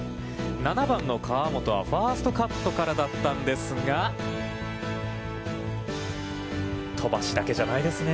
７番の河本はファーストカットからだったんですが、飛ばすだけじゃないですね。